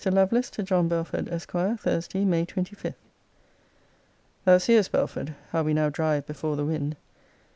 LOVELACE, TO JOHN BELFORD, ESQ. THURSDAY, MAY 25. Thou seest, Belford, how we now drive before the wind.